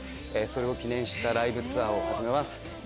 それを記念したライブツアーを始めます。